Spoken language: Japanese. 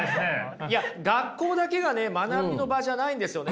いや学校だけがね学びの場じゃないんですよね。